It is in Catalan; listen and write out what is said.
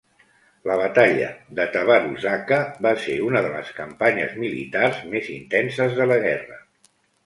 La batalla de Tabaruzaka va ser una de les campanyes militars més intenses de la guerra.